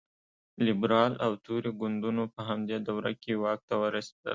لېبرال او توري ګوندونو په همدې دوره کې واک ته ورسېدل.